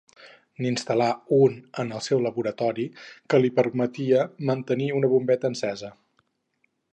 N'instal·là un en el seu laboratori que li permetia mantenir una bombeta encesa.